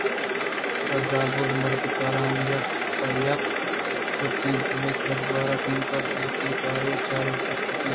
پدا زالبول ءُمرد کارہم یک پہ یک ءَشت اَنت ءُہمےدروازگءِٹُنگ ءَ وتی وتی باری ءَ چارگ اش بنا کُت